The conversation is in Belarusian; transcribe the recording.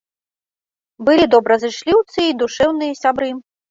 Былі добразычліўцы і душэўныя сябры.